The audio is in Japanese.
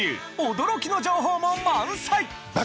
驚きの情報も満載！